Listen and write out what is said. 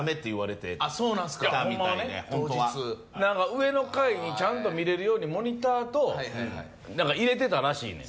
上の階にちゃんと見れるようにモニターと何か入れてたらしいねん。